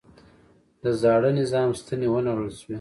د زاړه نظام ستنې ونړول شوې.